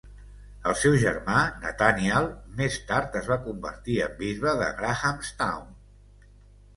El seu germà Nathanial, més tard, es va convertir en bisbe de Grahamstown.